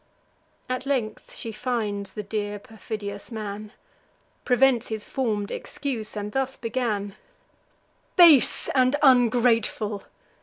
At length she finds the dear perfidious man; Prevents his form'd excuse, and thus began: "Base and ungrateful!